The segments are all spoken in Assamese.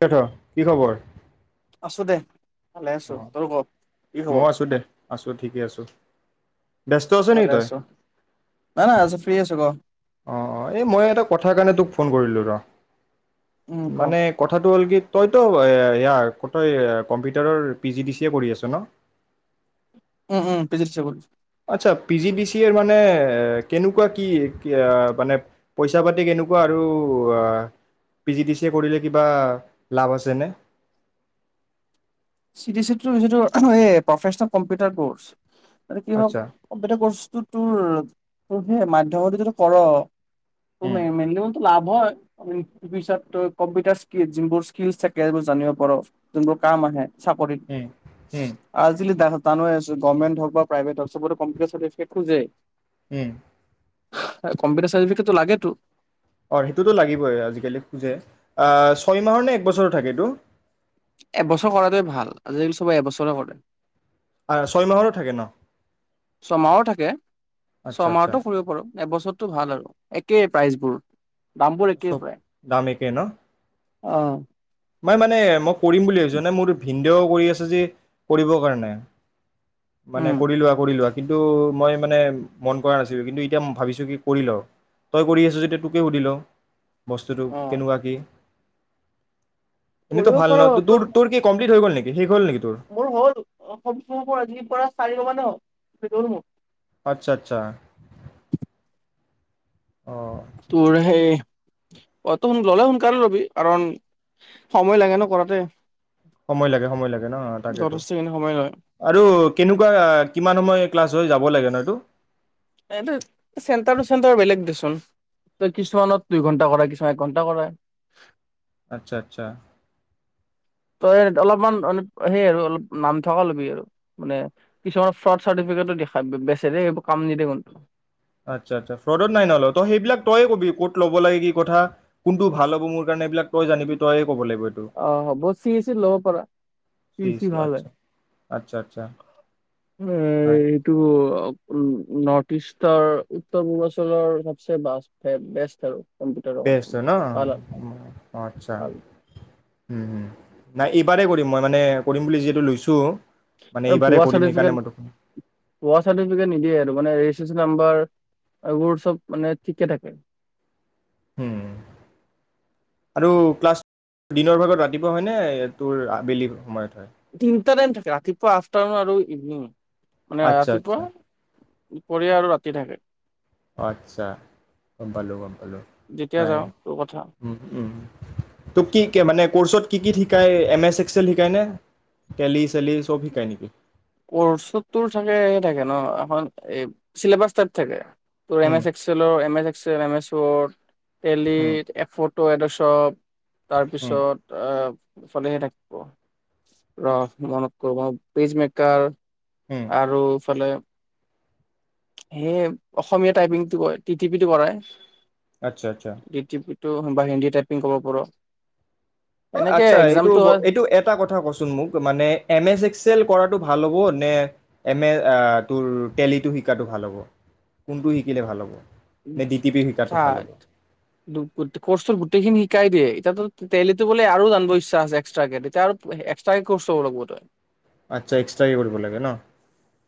[unintelligible] কি খবৰ? আছোঁ দে [inaudible] লে আছো তোৰ ক। কি খবৰ? আছোঁ ঠিকে আছোঁ [inaudible] ভালে আছ? নাই-নাই আছ ফ্ৰী আছো ক। অ, অ এই মই এটা কথাৰ কাৰণে তোক ফোন কৰিলোঁ ৰ উম [inaudible] ক মানে কথাটো হ'ল কি তই টো এ এয়াৰ ক তই কম্পিউটাৰৰ পি জি ডি চি কৰি আছ ন? উম উম পি জি চি কৰি আচ্ছা পি জি ডি চি ৰ মানে কেনেকুৱা কি মানে, পইচা পাতি কেনেকুৱা আৰু পি জি ডি চি এ কৰিলে কিবা লাভ আছেনে? [unintelligible] যিটো এই প্ৰফেচনেল কম্পিউটাৰ কৰ্চ কি হওঁক আচ্ছা কম্পিউটাৰ কৰ্চটো তোৰ তোৰ সেই মাধ্য [unintelligible] যিটো কৰ উম, তু [unintelligible] লাভ হয়। [unintelligible] কম্পিউটাৰ স্কিল যোনবোৰ স্কিল থাকে সেবোৰ জানিব পাৰ। যোনবোৰ কাম আহে চাকৰিত, উম, উম, আৰ্জিলি [unintelligible] [unintelligible] আছো গভমেন্ট হ'ক বা প্ৰাইভেট হ'ক চবতে [unintelligible] যে উম। কম্পিউটাৰ চাৰ্টিফিকেটটো লাগেতো। অ সেইটোতো লাগিবই আজিকালি খোজে, ছয় মাহৰ নে এক বছৰ থাকেটো এবছৰ কৰাটোৱে ভাল আজিকালি চবে এবছৰে কৰে। আ- ছয় মাহৰো থাকে ন [unintelligible] ছমাহৰ থাকে আচ্ছা আচ্ছা ছমাহতটো কৰিব পাৰোঁ এবছৰটো ভাল আৰু একেই প্ৰাইজ। উম। দামবোৰ একেই চব প্ৰায়। দাম একেই ন অ মই মানে মোক কৰিম বুলি ভাবিছ নে মোৰ ভিনন্দেও কৰি আছে যদি, কৰিব কাৰণে মানে উম কৰি লোৱা -কৰি লোৱা। কিন্তু মই মানে মন কৰা নাছিলোঁ কিন্তু এতিয়া ভাবিছোঁ কি কৰি ল তই কৰি আছো যেতিয়া তোকে সুধি লওঁ বস্তুটো অ', কেনেকুৱা কি? এনেইতো কৰিব ভাল পাৰ ন? ত তোৰ তোৰ কি কমপ্লিট হৈ গ'ল নি? [unintelligible] মোৰ হ'ল অসম চোৰ পৰা আজিৰ পৰা চাৰিমাহ মানে হ'ল। হৈ গ'ল মোৰ। আচ্ছা আচ্ছা। অঁ তোৰহে। অ' তই ললে সোনকালে লবি কাৰণ সময় লাগে নহ কৰাতে। সময় লাগে সময় লাগে নহ তাকেতো যথেষ্টখিনি সময় লয় আৰু কেনেকুৱা কিমান সময়। ক্লাছ হৈ যাব লাগে নহয়টো। এইটো চেণ্টাৰ তু চেণ্টাৰ বেলেগ দেচোন তোৰ কিছুমানত দুই ঘন্টা কৰাই কিছুমানত এক ঘন্টা কৰাই। আচ্ছা আচ্ছা। তই অলপমান সেই আৰু অলপ নাম থকা ল'বি আৰু মানে কিছুমান ফ্ৰড চাৰ্টিফিকেট দেখাত বেচে দেই এইবোৰ কাম নিদেয়ে। আচ্ছা আচ্ছা ফ্ৰডত নাই নলয় তই সেইবিলাক তইয়ে ক'বি ক'ত ল'ব লাগে কি কথা কোনটো ভাল হ'ব মোৰ কাৰণে এইবিলাক। তই জানিবি তয়ে ক'ব লাগিব এইটো অ হ'ব চিইচিত ল'ব পাৰা চি চিইচি চি ভাল হয়। আচ্ছা আচ্ছা আচ্ছা আহ, নাই এইটো। নৰ্থ-ইষ্টৰ উত্তৰ পূৰ্বাঞ্চলৰ ছবছে বেষ্ট আৰু। কম্পিউটাৰৰ কাৰণে বেষ্ট হয় ভাল নহ, আচ্ছা। ভাল উম উম, নাই এইবাৰেই কৰিম মই মানে কৰিম বুলি যিহেতু লৈছোঁ। মানে আৰু এইবাৰেই ভুৱা কৰিম সেইকাৰণে চাৰ্টিফিকেট মই তোক ভুৱা চাৰ্টিফিকেট নিদিয়ে আৰু মানে ৰেজিষ্ট ট্ৰেচন নাম্বাৰ এইবোৰ চব ঠিকেই থাকে। হুম। আৰু ক্লাছ দিনৰ ভাগত ৰাতিপুৱা হয়নে তোৰ আবেলি সময়ত? হয় দিন দুটা টাইম থাকে, ৰাতিপুৱা, আফ্টাৰনোন আৰু ইভিনিং। মানে আচ্ছা ৰাতিপুৱা আচ্ছা দুপৰীয়া আৰু ৰাতি থাকে। আচ্ছা গম পালোঁ, গম পালোঁ যেতিয়া নাই যাওঁ তোৰ কথা উম, উম। তোক কি শিকায় মানে কৌৰচত কি কি শিকায় এম এছ এক্সেল শিকাইনে? তেলি কৌৰচত তোৰ থাকে সেই থাকে। ন, এখন এই চিলেভাজ টাইপ থাকে। তোৰ এম উম এছ এক্সেলৰ MS Excel M S Word tele উম এফটো এডচ চ'প। তাৰ উম পিছত, অহ। চলিহে থাকিব ৰ'হ মনত কৰোবাত পেজ মেকাৰ। উম আৰু ইফালে সেয়ে অসমীয়া টাইপিঙটো কৈ টি টি পিটো কৰাই। আচ্ছা, আচ্ছা। টোহ বা হিন্দী টাইপিং ক'ব পাৰ'। এনেকে আচ্ছা এইটো এক্জামটো হয় এইটো এটা কথা কচোন মোক মানে এম এছ এক্সেল কৰা টো ভাল হ'ব নে এম এ ত তেটেলিটো শিকাতটো ভাল হ'ব, কোনটো শিকিলে ভাল হ'ব? উম, নে ডি টি পি শিকাটো চা ভাল হ'ব দুকট-কোৰ্সটোত গোটেইখিনি শিকাই দিয়ে। তেতিয়াটো টেলীটো বোলে আৰু জানিব ইচ্ছা আছে এক্সট্ৰাকে তেতিয়া আৰু এক্সট্ৰাকে কৌৰ্স ল'ব লাগব তই। আচ্ছা, এক্সট্ৰাকে কৰিব লাগে ন'?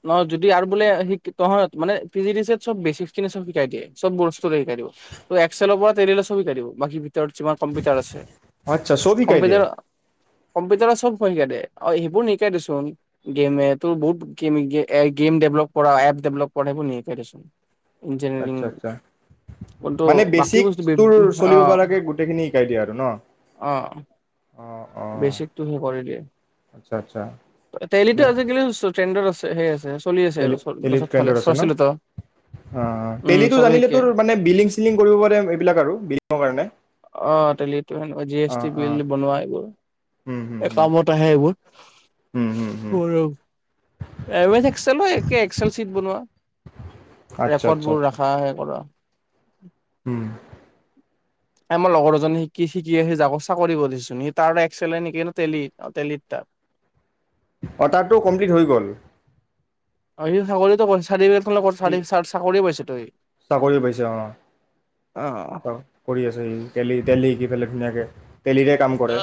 নহয় যদি আৰু বোলে শিকি তহঁত মানে পি জি দি ছি এত চব বেচিকখিনি চব শিকাই দিয়ে চব বস্তুৰে শিকাই দিব তোক এক্সেলৰ পৰা টেলীলে চব শিকাই দিব বাকী ভিতৰত যিমান কম্পিউটাৰ আছে, আচ্ছা চব শিকাই দিয়ে কম্পিউটাৰ কম্পিউটাৰত চব শিকাই দে অ সেইবোৰ নিশিকাই দেছোন গেমে তোৰ বহুত এ গেম ডেভেলপ কৰা, এপ ডেভেলপ কৰে শুনি আহিব দেচোন ইঞ্জিনিয়াৰিং আচ্ছা আচ্ছা কোনটো মানে বাকী বেচিক বস্তু তোৰ অ চলিব পৰাকে গোটেইখিনি শিকাই দিয়ে আৰু ন? অঁ অঁ বেছিকটো সি কৰি আচ্ছা আচ্ছা দিয়ে টেলীতো আজিকালি [unintelligible] ট্ৰেণ্ড ত আছে। সে আছে চলি আছে আৰু টেলী চব টেলীতো ফালে আছে ন চৰ্চিলত অ উম টেলীটো চবে জানিলে শিকে তোৰ মানে বিলিং চিলিং কৰিব পাৰে এইবিলাক আৰু বিলিঙৰ কাৰণে অ', টেলিটো সেনেকুৱা G S uh T uh bill বনোৱা এইবোৰ হুম হুম হুম কামত আহে এইবোৰ হুম হুম হুম মোৰো এম এচ এক্সেলো একে এক্সেল চিট বনোৱা আচ্ছা ৰেকৰ্ড বোৰ ৰাখা হে কৰা উম আমাৰ লগৰ এজনী কি শিকি আহি যাগত চাকৰি কৰিছে মিটাৰ এক্সেল নেকি নে টেলীৰ তাত অৰ্ডাৰতো কমপ্লিট হৈ গ'ল সি ছাগলীতো [unintelligible] [inaudible] চাকৰি পাইছে অ অ'। [inaudible] কৰি আছে সি টেলী টেলী গেলেখিনীয়াকে টেলীৰে কাম কৰে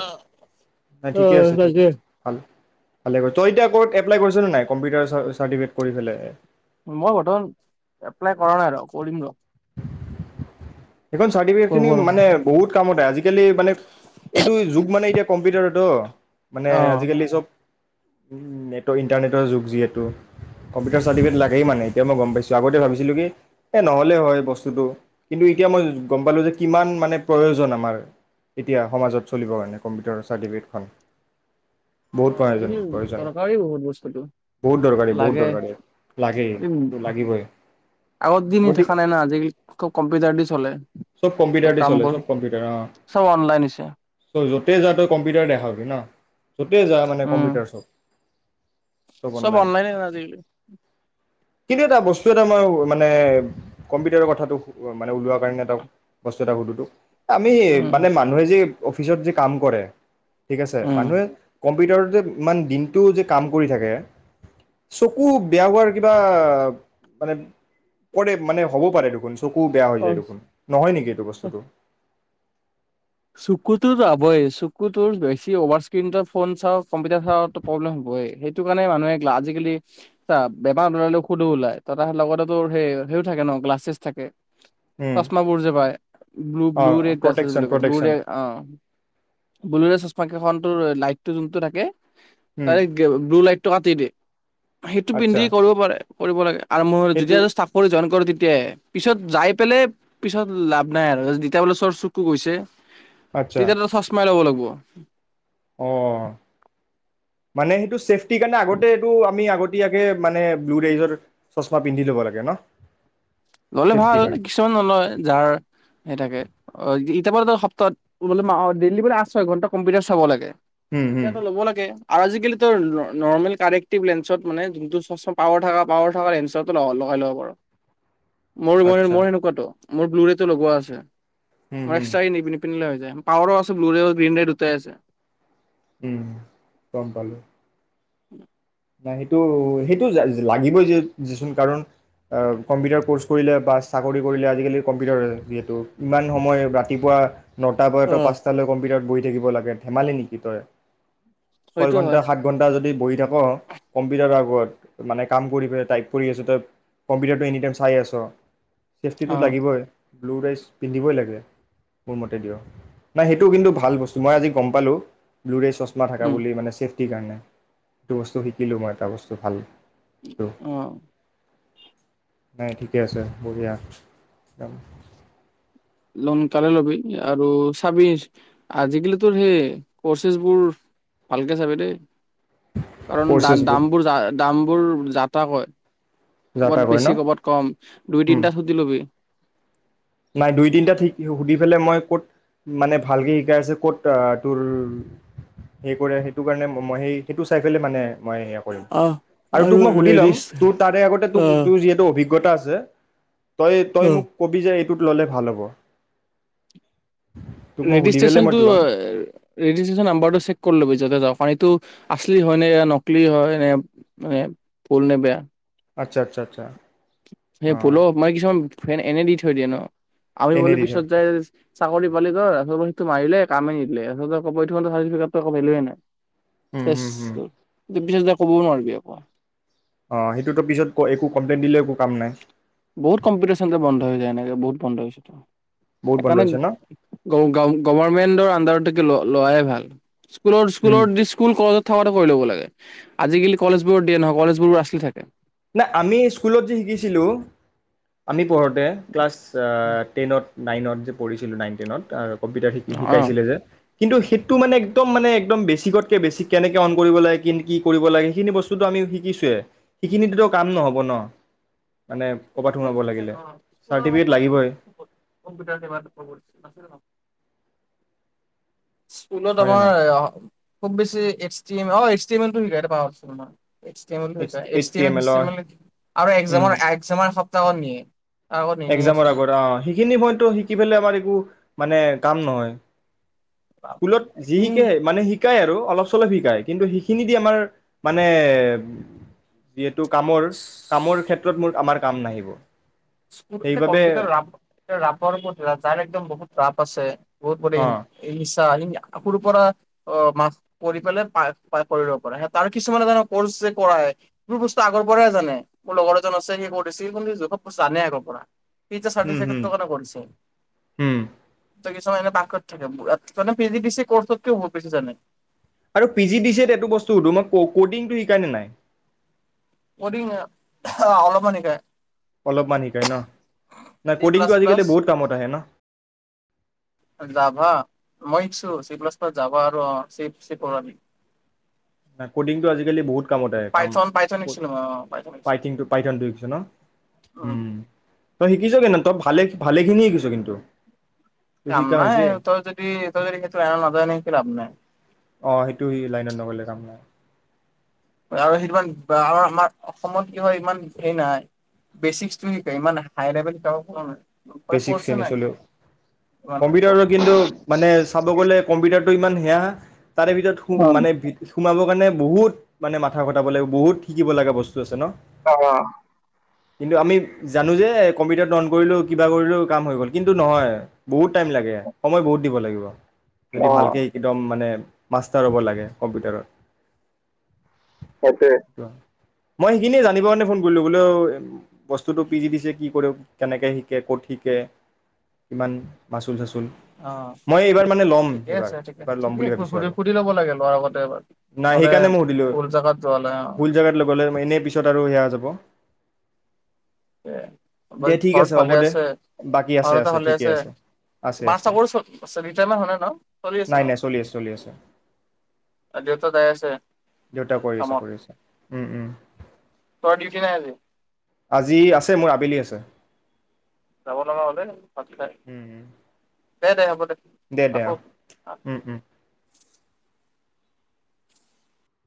নাই ঠিকে অ', আছে ঠিক তাকে ভাল ভালে তই এতিয়া কত এপ্লাই কৰিছ নে নাই? কম্পিউটাৰ চাৰ্টিফিকেট কৰি পেলাই এ মই বৰ্তমান এপ্লাই কৰা নাই ৰ কৰিম ৰ সেইখন চাৰ্টিফিকেট কৰিব খিনি ৰ মানে বহুত কামত আহে আজিকালি মানে এইটো যুগ মানে এতিয়া কম্পিউটাৰত তো মানে অ'। অ', আজিকালি চব নেটৰ ইণ্টাৰনেটৰ যুগ যিহেতু কম্পিউটাৰ চাৰ্টিফিকেট লাগেই মানে এতিয়া মই গম পাইছোঁ আগতে ভাবিছিলো কি এই নহ'লেই হয় বস্তুটো কিন্তু এতিয়া য়ে মই গম পালোঁ যে কিমান মানে প্ৰয়োজন আমাৰ এতিয়া সমাজত চলিবৰ কাৰণে কম্পিউটাৰ চাৰ্টিফিকেটখন বহুত অ প্ৰয়োজন আজিকালি প্ৰয়োজন দৰকাৰী বহুত বস্তুটো বহুত দৰকাৰী বহুত লাগে দৰকাৰী লাগেই এইটো লাগিবই আগৰ দিন গতিকে থকা নাই না আজিকালি চব কম্পিউটাৰ দি চলে চব কম্পিউটাৰতে চলে কামবোৰ চব কম্পিউটাৰ, চব অনলাইন হৈছে অ' চ য'ত [unintelligible] যা তই কম্পিউটাৰ দেখাবি ন'। য'তেই যা মানে উম কম্পিউটাৰ চব। চব অনলাইনে আজিকালি। কিন্তু এটা বস্তু এটা মই মানে, কম্পিউটাৰৰ কথাটো, মানে ওলোৱাৰ কাৰণে এটা বস্তু এটা সুধো তোক, আমি উম মানে, মানুহে যে, অফিচত যে কাম কৰে। ঠিক আছে, উম মানুহে কম্পিউটাৰতে ইমান দিনটো যে কাম কৰি থাকে, চকু বেয়া হোৱাৰ কিবা মানে, কৰে মানে, হ'ব পাৰে দেখোন। চকুও বেয়া হৈ অ যায় দেখোন। নহয় নেকি এইটো বস্তুটো। চকুটো যাবই, চকুটো বেছি অভাৰ স্কিণ তই ফোন চাৱ, কম্পিউটাৰ চাৱ, প্ৰব্লেম হ'বই, সেইটো কাৰণে মানুহে আজিকালি চা বেমাৰ নোলােলেও সুদো ওলায়, তাৰ লগতে তোৰ সেই সেইয়ো থাকে ন গ্লাছেছ থাকে। উম চশমা বোৰ যে পায়, ব্লু, অ ব্লু ৰেড গ্লাছেছ প্ৰটেকচন বুলি। প্ৰটেকচন ব্লুৰে অ', ব্লুৰে ছছ সংক [unintelligible] টোৰ লাইটটো যোনটো থাকে। উম তাৰে ব্লু লাইট, টকাতি দে। [unintelligible] সেইটো আচ্ছা পিন্ধি কৰিব পাৰে। কৰিব লাগে। আৰু মোৰ সেইটো যেতিয়া যে চাকৰি ছইন কৰি দি তেতিয় পিছত যাই পেলাই পিছত লাভ নাই আৰু যেতিয়া বোলে চৰ চুৰ গৈছে আচ্ছা তেতিয়া ত' চচমাই ল'ব লাগিব। কোৱা, অ', মানে সেইটো চেফটি সেইকাৰণে আগতে এইটো আমি আগতে, তেতিয়াকে মানে ব্লুৰেজৰ চশমা পিন্ধি ল'ব লাগে ন'। ল'লে ভাল, চেফটিৰ কাৰণে কিছুমান নলয়, যাৰ সেই থাকে, অ', ই কেৱল এটা সপ্তাহত বোলে মাহত ডেইলি বোলে আঠ, ছয় ঘণ্টা কম্পিউটাৰ চাব লাগে। উম হুম এতিয়াতো ল'ব লাগে। আৰু আজিকালিতো নৰ্মেল, কাৰেক্টিভ লেন্ঞ্চত মানে, যোনটো চচমা পাৱাৰ থকা পাৱাৰ থকা লেন্ঞ্চতো লগাই ল'ব পাৰ। মোৰ, মই, আচ্ছা মোৰ এনেকুৱাতো। মোৰ ব্লু ৰে'টো লগোৱা আছে। উম অ' হুম চাই [unintelligible] নিন পিন্ধিলে হৈ যায়, পাৱাৰো আছে ব্লু ৰে আৰু গ্ৰীণ ৰে দুটাই আছে। উম, গ'ম পালো। উম। নাই সেইটো সেইটোজ লাগিবই যেচোন কাৰণ, কম্পিউটাৰ ক'ৰ্চ কৰিলে বা চাকৰি কৰিলে আজিকালি কম্পিউটাৰ যিহেতু ইমান সময় ৰাতিপুৱা নটা পৰা তই অ পাঁচটালৈ কম্পিউটাৰত বহি থাকিব লাগে, ধেমালি নেকি তই ছয় সেইটো হয় ঘন্টা, সাত ঘণ্টা যদি বহি থাক কম্পিউটাৰৰ আগত, মানে কাম কৰি ফেলে টাইপ কৰি আছ, তই কম্পিউটাৰটো এনিটাইম চাই আছ চেফটি টো অ', লাগিবই। ব্লু ৰাইচ পিন্ধিবই লাগে, মোৰ মতে দিয়, নাই সেইটো কিন্তু ভাল ভাল বস্তু, মই আজি গম পালোঁ। লুৰেছ চচমা থাকা উম, বুলি মানে চেফ সিকাৰণে সেইটো বস্তু শি শিকিলোঁ মই, এটা বস্তু ভাল অ'। নাই ঠিকে আছে, বঢ়িয়া একদম। লোন পালে ল'বি আৰু চাবি আজিকালি তোৰ সেই কৰ্চেছবোৰ ভালকে চাবি দেই। কাৰণ দা, কৰ্চেছবোৰ দামবোৰ, জা, দাম বোৰ যা-তা কয়। যা ক'বাত তা কৰে ন বেছি, ক'বাত কম, উম, দুই-তিনিটাত সুধি লবি। নাই দুই তিনিটা ঠিক সুধি পেলাই মই ক'ত মানে ভালকে শিকাই আছে, ক'ত তোৰ হে কৰে সেইটো কাৰণে মই সেই, সেইটো চাই ফেলে মানে মই সেয়া কৰিম অ', আৰু তোক মই সুধি ল'ম ৰেডিচ তোৰ তাৰে আগতে তোক অ', তোৰ যিহেতু অভিজ্ঞ গোটা আছে। তই, তই অ'। মোক কবি যে টোত ল'লে ভাল হ'ব তোক মই সুধি পেলাই মই ৰেডিষ্ট্ৰেশচনটো, ল'ম ৰেডিষ্ট্ৰেশচন নম্বাৰটো চেক কৰি ল'বি, যাতে যাওঁক পানীটো আচলি হয় নে য়া নকলি হয় নে মানে ভুল নে বেয়া আচ্ছা, আচ্ছা, আচ্ছা। সেই অঁ ভুলো মানে কিছুমান ফ্ৰেণ্ড এনে দি থৈ দিয়ে ন আমি এনেই বোলে দি পিছত থয় যায় চাকৰি পালি তই আকৌ সেইটো মাৰিলে কামে নিদিলে [unintelligible] একো ভেলু এ নাই। হুম, হুম, হুম। কিন্তু পিছত যাই ক'বও নোৱাৰিবি আকৌ। অ' সেইটোতো পিছত-ক- একো কমপ্লেইন দিলে একো কাম নাই। বহুত কম্পিউটাৰ চেণ্টাৰ বন্ধ হৈ যায় এনেকে বহুত বন্ধ হৈছে তো। বহুত বন্ধ হৈছে ন সেইকাৰণে-গ- গভাৰৰ্মেণ্টৰ আন্দাৰতে লো-লোৱাই ভাল। স্কুলৰ উম স্কুলৰ দি স্কুল কল থকাটো কৰি ল'ব লাগে। আজিকালি কলেজবোৰত দিয়ে নহয়, কলেজবোৰো আছলি থাকে। না, আমি স্কুলত যি শিকিছিলোঁ আমি পঢ়োঁতে ক্লাছ-আ'- টেন্‌ত নাইনত যে পঢ়িছিলোঁ, নাইন টেনত আৰু- কম্পিউটাৰ শিকি শিকাইছিলে যে কিন্তু সেইটো মানে একদম মানে একদম বেছিকতকে বেছিক। কেনেকে অন্‌ কৰিব লাগে, কেন- কি কি কৰিব লাগে, সেইখিনি বস্তুটো আমি শিকিছোঁৱে। সিকখিনিটোতো কাম নহ'ব ন? মানে ক'ৰবাত সোমাব লাগিলে চাৰ্টিফিকেট লাগিবই াৰ [unintelligible] স্কুলত হয়নে আমাৰ-খুব নাই বেছি [unintelligible] শিকাই পই [unintelligible] এইচ টি এম্‌ এল্‌ টো শিকাই। এইচ এম এইডছ্‌ এলৰ টি এম্‌ এল্‌ আৰু একজামৰ [unintelligible] [unintelligible] এক্জামৰ নিনিয়েচোন। আগত অ' সেইখিনি পইণ্টটো শিকি ফেলে আমাৰ একো- মানে- কাম নহয়। স্কুলত যি এইখিনি শিকে, মানে শিকাই আৰু অলপ চলপ শিকাই, কিন্তু সেইখিনি দি আমাৰ মানে বি এড্‌ [unintelligible] কামৰ - কামৰ ক্ষেত্ৰ [unintelligible] মোৰ আমাৰ কাম নাহিব। স্কুল, এতিটা সেইবাবে কম্পিউটাৰ ৰাপ-এতিয়া ৰাপৰ ওপৰত- যাৰ একদম বহুত ৰাপ আছে। বহুত বোৰেই [unintelligible] অ' এদিন সি সৰুৰ পৰা -অ -মাকৰ্চ কৰি পেলাই পাই- পাই কৰিব পাৰে। তাৰ কিছুমানে জানে কৰ্চ যে কৰাই সেইবোৰ বস্তু আগৰ পৰাই জানে। মোৰ লগৰ এজন আছে সি কৰিছি। সি কিন্তু [unintelligible] জানে আগৰপৰা সি যে উম হুম চাৰ্টিফিকেটটোৰ কাৰণে কৰিছে। হুম কিছুমান এনে পাৰ্গত থাকে। মানে পিজিদিছিএ কৰ্চতকৈও বহুত বেছি জানে। আৰু পি জি দি ছি এত এইটো বস্তু সুধো, মানে ক'ডিংটো শিকাই নে নাই? ক'ডিং অ'- অলপমান শিকায়। অলপমান শিকাই ন? নাই চি ক'ডিংটো প্লাছ আজিকালি প্লাছ বহুত কামত আহে ন? যাভা? মই শিক্‌ছো, চি প্লাছ প্লাছ যাভা আৰু অ' চেভ চেভ কৰোঁ আমি। নাই ক'ডিংটো আজিকালি বহুত কামতে কাম পাইথন পাইথন প শিকছিলো মই অ পাইথন শিকছো পাইথিনটো পাইথনটো শিকিছ ন উম তই শিকিছ কিন্তু তই ভালে ভালেখিনি শিকিছ কিন্তু তোৰ কাম শিকা নাই হৈছে তই যদি তই যদি সেইটো লাইনত নাযাৱ এনে শিকি লাভ নাই অ সেইটো শিকি লাইনত নগলে কাম নাই আৰু সেইটো আমাৰ অসমত কি হয় ইমান হেৰি নাই বেচিকটো শিকায় ইমান হাই লেভেল শিকাব পৰা নাই মানে বেচিক কৰ্ছে খিনি নাই চলেও ইমান কম্পিউটাৰত কিন্তু মানে চাব গ'লে কম্পিউটাৰ টো ইমান সেয়া তাৰে ভিতৰত সু অ অ মানে সোমাব কাৰণে বহুত মানে মাথা খটাব লাগিব বহুত শিকিব লগা বস্তু আছে ন অ' কিন্তু আমি জানো যে কম্পিউটাৰটো অন কৰিলো কিবা কৰিলো কাম হৈ গ'ল কিন্তু নহয় বহুত টাইম লাগে সময় বহুত দিব লাগিব। যদি অ ভালকে একদম মানে। মাষ্টাৰ হ'ব লাগে কম্পিউটাৰত, [unintelligible] মই সেইখিনি জানিবৰ কাৰণে ফোন কৰিলো বোলে বস্তুটো পি জি দি চি এ কি কৰো কেনেকে [unintelligible] কিমান মাচুল চাচুল অ মই এইবাৰ মানে ল'ম ঠিকে এইবাৰ আছে ঠিকে এইবাৰ লম ঠিকে বুলি ভাবিছো সুধি আৰু সুধি ল'ব লাগে ল'ৰা আগতে এবাৰ নাই নহ'লে সেইকাৰণে মই সুধিলো ভুল জাগাত যোৱা হ'লে অ ভুল জাগাত লগালে এনে পিছত আৰু সেয়া। [unintelligible] দে ঠিক [unintelligible] হ'ব ভালে দে আছে বাকী আছে ম-দেউতা ভালে ঠিকে আছে আছে মাৰ আছে চাকৰি চলি ৰিটাইমেণ্ট হোৱা নাই ন চলি আছে নাই ন নাই চলি আছে চলি আছে দেউতা যাই আছে দেউতা কৰি আছে কামত কৰি আছে উম উম তই ডিউটি নাই আজি আজি আছে মোৰ আবেলি আছে। যাব লগা হলে ভাত খাই। উম উম দে দে হ'ব দে দে, দে, অ', ৰাখো উম, উম।